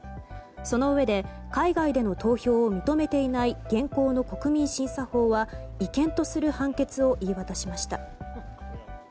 そのうえで海外での投票を認めていない現行の国民審査法は違憲とする判決を言い渡しました。